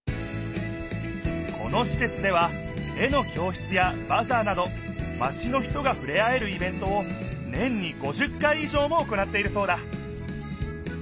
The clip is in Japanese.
このしせつでは絵の教室やバザーなどマチの人がふれあえるイベントを年に５０回いじょうも行っているそうだ